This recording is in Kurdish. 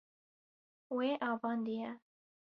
Wê avandiye.